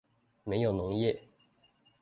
沒有農業